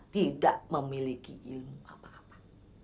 tidak memiliki ilmu